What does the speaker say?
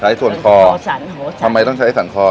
ใช้ส่วนขอทำไมต้องใช้ส่วนขอ